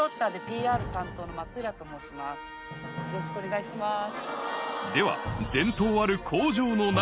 よろしくお願いします。